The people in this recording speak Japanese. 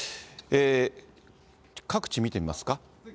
各地、見てみますか。